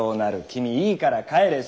君いいから帰れ。